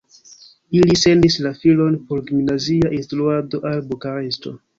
Ili sendis la filon por gimnazia instruado al Bukareŝto.